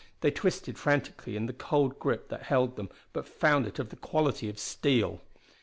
They twisted frantically in the cold grip that held them, but found it of the quality of steel.